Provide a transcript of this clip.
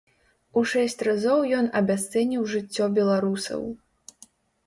У шэсць разоў ён абясцэніў жыццё беларусаў.